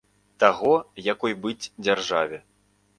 Таго, якой быць дзяржаве.